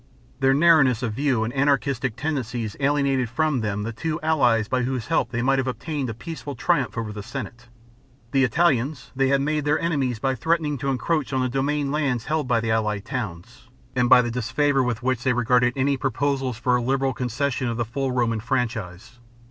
Their narrowness of view and anarchist tendencies alienated from them the two allies by whose help they might have obtained a peaceful triumph over the Senate. The Italians they had made their enemies by threatening to encroach on the domain lands held by the allied towns, and by the disfavour with which they regarded any proposals for a liberal concession of the INTRODUCTION TO THE JUGURTHINE WAR. 121 full Roman franchise.